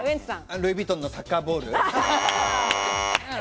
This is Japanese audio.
ルイ・ヴィトンのサッカーボール。